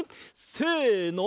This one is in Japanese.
せの。